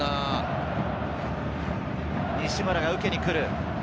西村が受けに来る。